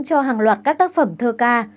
cho hàng loạt các tác phẩm thơ ca